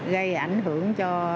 gây ảnh hưởng cho